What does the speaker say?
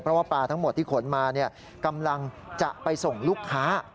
เพราะว่าปลาทั้งหมดที่ขนมากำลังจะไปส่งลูกค้า